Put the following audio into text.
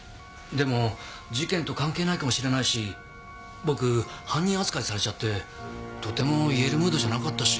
でも事件と関係ないかもしれないし僕犯人扱いされちゃってとても言えるムードじゃなかったし。